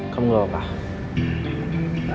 kamu gak apa apa